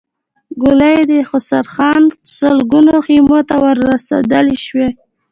ګولۍ يې د خسروخان سلګونو خيمو ته ور رسېدای شوای.